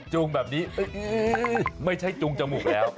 จูงแบบนี้ไม่ใช่จูงจมูกแล้ว